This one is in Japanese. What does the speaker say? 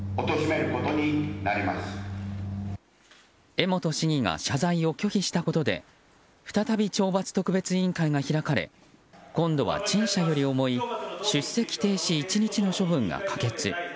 江本市議が謝罪を拒否したことで再び懲罰特別委員会が開かれ、今度は陳謝より重い出席停止１日の処分が可決。